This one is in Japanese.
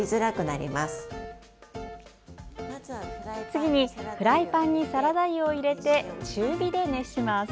次に、フライパンにサラダ油を入れて中火で熱します。